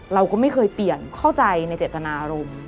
เราก็ไม่เคยเปลี่ยนเข้าใจในเจตนารมณ์